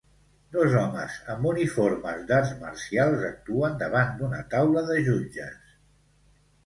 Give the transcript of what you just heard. Dos homes amb uniformes d'arts marcials actuen davant d'una taula de jutges